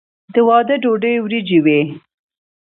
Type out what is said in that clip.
د واده ډوډۍ وریجې وي.